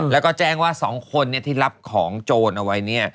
แล้วก็แจ้งว่า๒คนที่รับของโจรเอาไว้